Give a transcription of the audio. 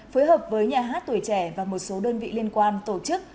phối hợp với nhà hát tuổi trẻ và một số đơn vị liên quan tổ chức